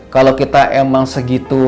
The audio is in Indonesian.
kalau kita emang segitu